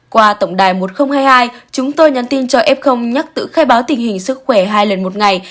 qua tổng đài một nghìn hai mươi hai chúng tôi nhắn tin cho f nhắc tự khai báo tình hình sức khỏe hai lần một ngày